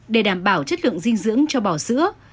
để đảm bảo chất lượng dinh dưỡng cho bò sữa